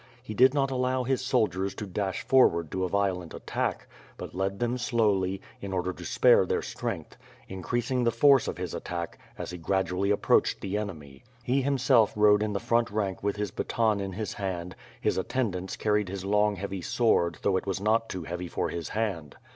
He did not allow his soldiers to dash forward to a violent attack, but led them slowly, in order to spare their strength; increasing the force of his attack, as he gradually approached the enemy. He himself rode in the front rank with his baton in his hand, his attendants carried his long heavy sword though it was not too heavy for his hand.